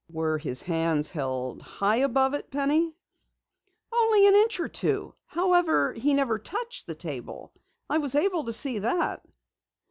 "Were his hands held high above it, Penny?" "Only an inch or two. However, he never touched the table. I was able to see that."